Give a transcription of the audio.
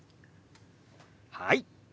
はい。